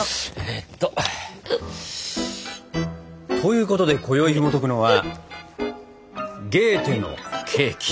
えっと。ということでこよいひもとくのは「ゲーテのケーキ」！